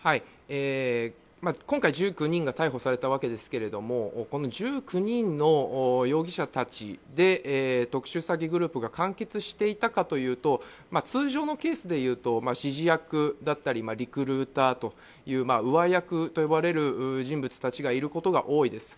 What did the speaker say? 今回、１９人が逮捕されたわけですけれどもこの１９人の容疑者たちで特殊詐欺グループが完結していたかというと通常のケースでいうと指示役だったりリクルーターという上役と呼ばれる人物がいることが多いです。